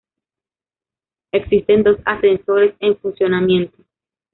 Existen dos ascensores en funcionamiento.